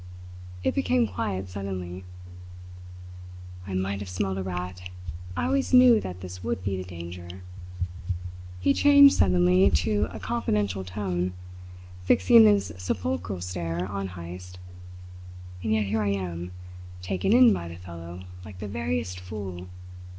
It became quiet suddenly. "I might have smelt a rat! I always knew that this would be the danger." He changed suddenly to a confidential tone, fixing his sepulchral stare on Heyst. "And yet here I am, taken in by the fellow, like the veriest fool.